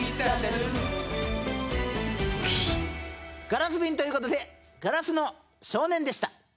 ガラスびんということで「硝子の少年」でした。